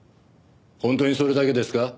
本当にそれだけですか？